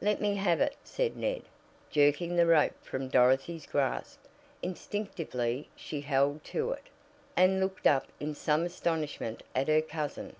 "Let me have it," said Ned, jerking the rope from Dorothy's grasp. Instinctively she held to it, and looked up in some astonishment at her cousin.